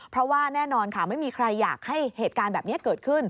เพราะว่าแน่นอนค่ะไม่มีใครอยากให้เหตุการณ์แบบนี้เกิดขึ้น